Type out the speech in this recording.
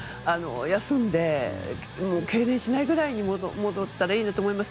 休んでけいれんしないぐらいに戻ったらいいなと思います。